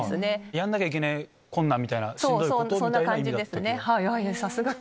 やんなきゃいけない困難みたいなしんどいことみたいな意味だった。